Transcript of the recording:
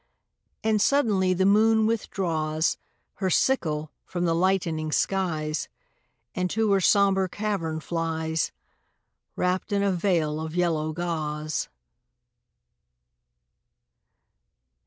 And suddenly the moon withdraws Her sickle from the lightening skies, And to her sombre cavern flies, Wrapped in a veil of yellow gauze.